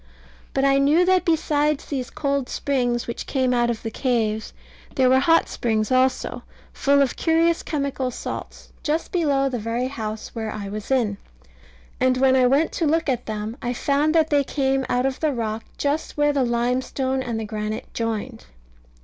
But I knew that besides these cold springs which came out of the caves, there were hot springs also, full of curious chemical salts, just below the very house where I was in. And when I went to look at them, I found that they came out of the rock just where the limestone and the granite joined.